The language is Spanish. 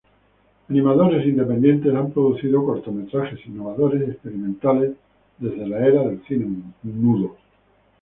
Animadores independientes han producido cortometrajes innovadores y experimentales desde la era del cine mudo.